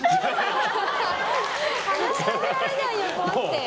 話しかけられないよ、怖くて。